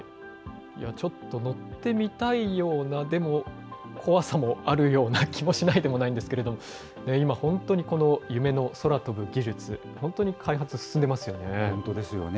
ちょっと乗ってみたいような、でも、怖さもあるような気もしないでもないんですけれども、今、本当にこの夢の空飛ぶ技術、本当に開発進んでいますよね。